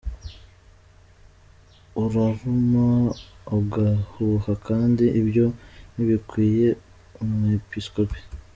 Uraruma ugahuha kandi ibyo ntibikwiriye umwepiskopi.